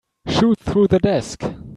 Shoot through the desk.